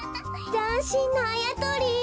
ざんしんなあやとり！